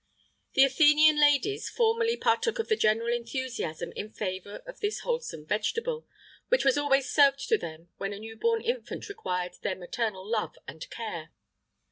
The Athenian ladies formerly partook of the general enthusiasm in favour of this wholesome vegetable, which was always served to them when a new born infant required their maternal love and care.